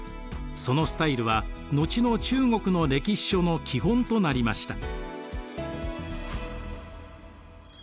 そのスタイルは後の中国の歴史書の基本となりました。